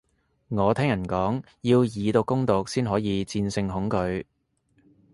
我聽人講，要以毒攻毒先可以戰勝恐懼